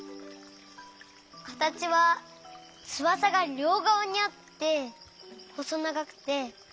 かたちはつばさがりょうがわにあってほそながくて。